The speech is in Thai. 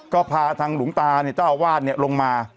ก็พาทางหลวงตาเนี่ยเจ้าอาวาสเนี่ยลงมา